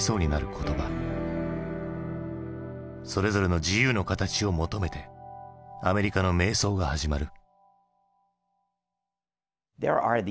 それぞれの自由の形を求めてアメリカの迷走が始まる。